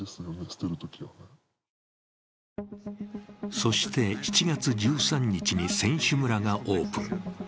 そして７月１３日に選手村がオープン。